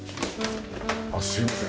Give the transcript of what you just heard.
あっすいません。